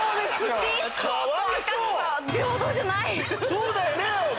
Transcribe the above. そうだよね！